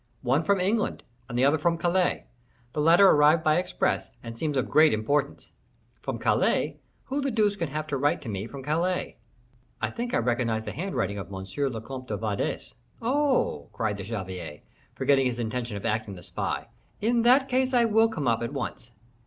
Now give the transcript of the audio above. "One from England, and the other from Calais; the latter arrived by express, and seems of great importance." "From Calais! Who the deuce can have to write to me from Calais?" "I think I recognize the handwriting of Monsieur le Comte de Wardes." "Oh!" cried the chevalier, forgetting his intention of acting the spy, "in that case I will come up at once."